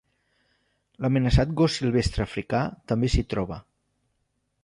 L'amenaçat gos silvestre africà també s'hi troba.